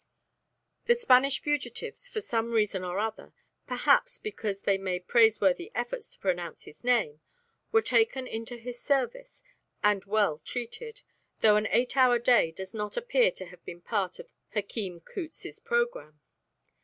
The Spanish fugitives, for some reason or other, perhaps because they made praiseworthy efforts to pronounce his name, were taken into his service and well treated, though an eight hour day does not appear to have been part of Hkin Cutz's programme.